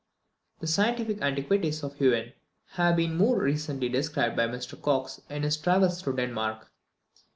The scientific antiquities of Huen, have been more recently described by Mr Cox, in his travels through Denmark.